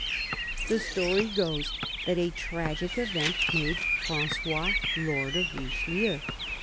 The story goes that a tragic event made Francois lord of Richelieu.